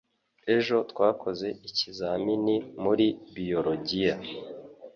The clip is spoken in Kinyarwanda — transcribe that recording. Ejo twakoze ikizamini muri biologiya.